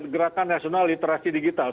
gerakan nasional literasi digital